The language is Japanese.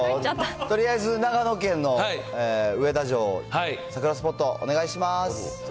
とりあえず、長野県の上田城、桜スポット、お願いします。